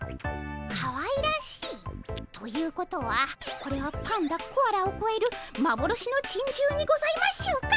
かわいらしい？ということはこれはパンダコアラをこえるまぼろしのちんじゅうにございましょうか。